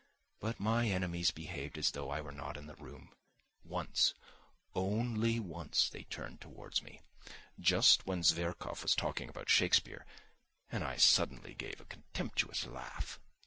But my enemies behaved as though I were not in the room. Once—only once—they turned towards me, just when Zverkov was talking about Shakespeare, and I suddenly gave a contemptuous laugh.